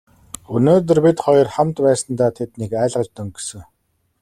Өнөөдөр бид хоёр хамт байсандаа тэднийг айлгаж дөнгөсөн.